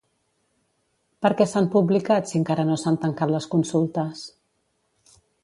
Per què s'han publicat si encara no s'han tancat les consultes?